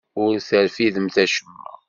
Ur terfidemt acemma.